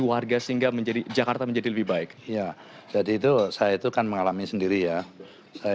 warga sehingga menjadi jakarta menjadi lebih baik ya jadi itu saya itu kan mengalami sendiri ya saya